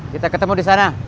kita ketemu di sana